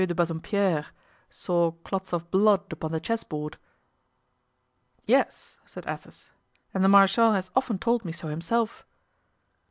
de Bassompiere, saw clots of blood upon the chessboard?" "Yes," said Athos, "and the marechal has often told me so himself."